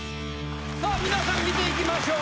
さあ皆さん見ていきましょう。